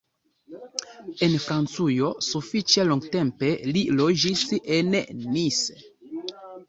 En Francujo sufiĉe longtempe li loĝis en Nice.